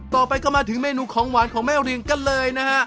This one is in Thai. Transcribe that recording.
ต่อไปก็มาถึงเมนูของหวานของแม่ริงกันเลยนะฮะ